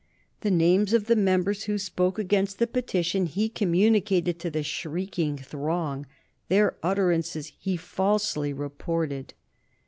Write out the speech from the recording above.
The names of the members who spoke against the petition he communicated to the shrieking throng; their utterances he falsely reported.